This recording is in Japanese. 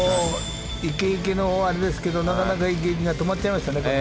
イケイケのあれですけどなかなか、イケイケが止まっちゃいましたね。